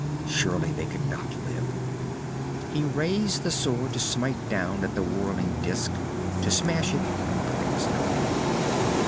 Surely they could not live! He raised the sword to smite down at the whirring disc, to smash it, but there was no need.